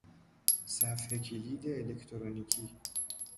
صفحه کلید الکترونیکی